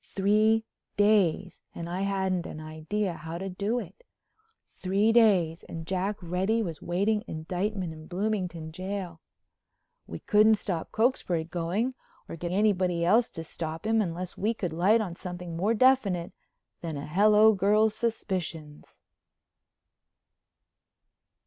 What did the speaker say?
Three days and I hadn't an idea how to do it. Three days and Jack Reddy was waiting indictment in Bloomington jail. We couldn't stop Cokesbury going or get anybody else to stop him unless we could light on something more definite than a hello girl's suspicions.